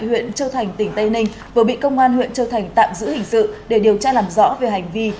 huyện châu thành tỉnh tây ninh vừa bị công an huyện châu thành tạm giữ hình sự để điều tra làm rõ về hành vi